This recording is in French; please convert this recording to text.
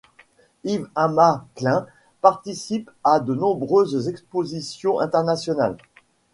Yves Amu Klein participe à de nombreuses expositions internationales.